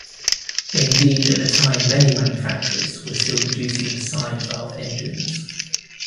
Indeed at the time many manufacturers were still producing side valve engines.